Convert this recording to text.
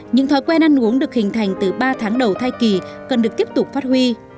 những thói quen ăn uống được hình thành từ ba tháng đầu thai kỳ cần được tiếp tục phát huy